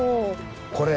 これ。